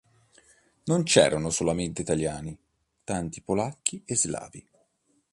Non c'erano solamente italiani, tanti polacchi e slavi.